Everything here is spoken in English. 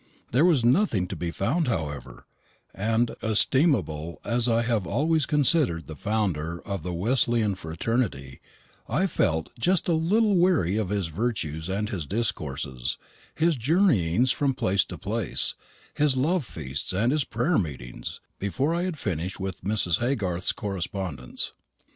There was nothing to be found, however; and, estimable as I have always considered the founder of the Wesleyan fraternity, I felt just a little weary of his virtues and his discourses, his journeyings from place to place, his love feasts and his prayer meetings, before I had finished with Mrs. Haygarth's correspondence.